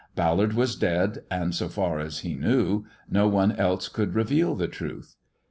Ballard was •ad, and, so far as he knew, no one else could reveal the uth.